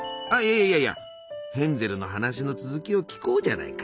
いやいやヘンゼルの話の続きを聞こうじゃないか。